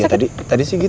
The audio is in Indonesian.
ya tadi sih gitu